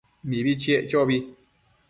Mibi chiec chobi